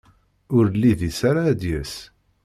Ur lid-is ara ad d-yas.